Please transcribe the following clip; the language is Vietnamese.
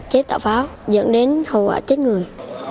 chế tạo pháo dẫn đến hậu quả chết người